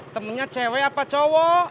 temennya cewek apa cowok